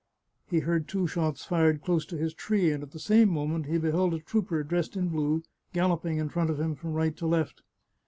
He heard two shots fired close to his tree, and at the same moment he beheld a trooper dressed in blue galloping in front of him from right to left.